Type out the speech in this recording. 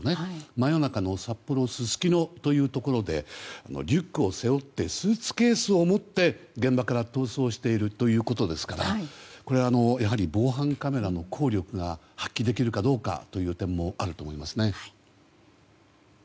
真夜中の札幌すすきのというところでリュックを背負ってスーツケースを持って現場から逃走しているということですからこれはやはり防犯カメラの効力が発揮できるかどうかという点もあると思いますね。